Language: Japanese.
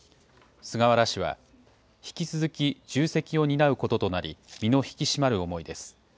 菅原氏は、引き続き重責を担うこととなり、身の引き締まる思いです。